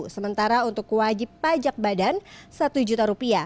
sementara untuk wajib pajak badan rp satu juta